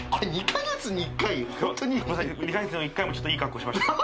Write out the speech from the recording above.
２カ月に１回もちょっといいカッコしました